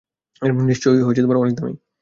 নিশ্চয়ই অনেক দামী।